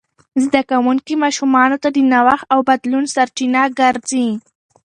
زده کوونکي ماشومان د نوښت او بدلون سرچینه ګرځي.